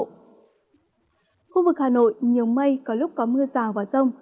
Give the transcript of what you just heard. khu vực hà nội nhiều mây có lúc có mưa rào và rông